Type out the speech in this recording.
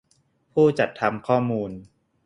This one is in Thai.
ผู้จัดทำข้อมูล